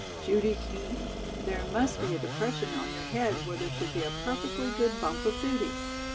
"Judy Kean, there must be a depression on your head where there should be a perfectly good bump of duty.